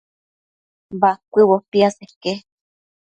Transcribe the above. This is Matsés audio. Bacuëbo piaseque